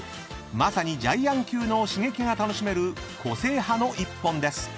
［まさにジャイアン級の刺激が楽しめる個性派の１本です］